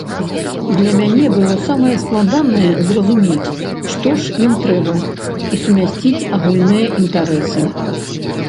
Для мяне было самае складанае зразумець, што ж ім трэба, і сумясціць агульныя інтарэсы.